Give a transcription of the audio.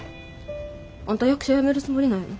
あんた役者辞めるつもりなんやな。